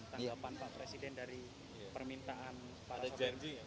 tanggapan pak presiden dari permintaan para sopir